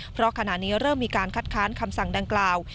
เพราะขณะนี้เริ่มมีการคัดค้านคำสั่งดังกล่าว